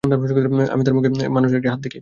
আমি তার মুখে মানুষের একটি হাত দেখি।